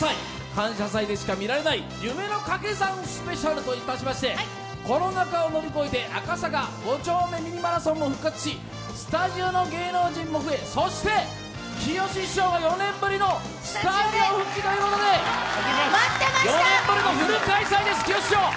感謝祭でしか見られない夢のカケ算スペシャル」といたしましてコロナ禍を乗り越えて赤坂５丁目ミニマラソンも復活しスタジオの芸能人も増え、きよし師匠もスタジオに戻ってきました４年ぶりのフル開催です、きよし師匠！